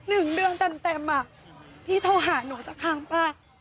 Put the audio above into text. หนึ่งเรื่องเต็มที่โทรหาหนูจะทำเปล่า